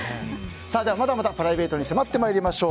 まだまだプライベートに迫っていきましょう。